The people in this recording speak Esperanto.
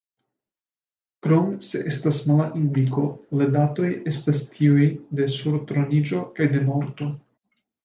Krom se estas mala indiko, le datoj estas tiuj de surtroniĝo kaj de morto.